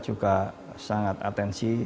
juga sangat atensi